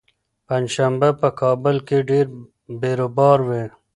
پنجشنبه په کابل کې ډېر بېروبار وي.